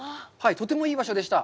とてもいい場所でした。